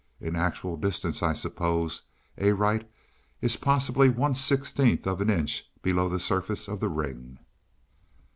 In actual distance I suppose Arite is possibly one sixteenth of an inch below the surface of the ring."